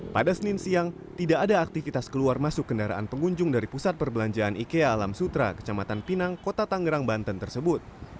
pada senin siang tidak ada aktivitas keluar masuk kendaraan pengunjung dari pusat perbelanjaan ikea alam sutra kecamatan pinang kota tangerang banten tersebut